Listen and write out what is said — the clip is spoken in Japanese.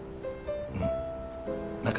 うん。